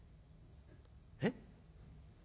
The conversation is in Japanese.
「えっ？